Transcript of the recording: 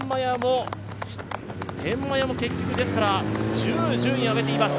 天満屋も結局１０位、順位を上げています。